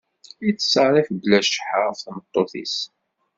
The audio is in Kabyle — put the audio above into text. Yettṣerrif bla cceḥḥa ɣef tmeṭṭut-is.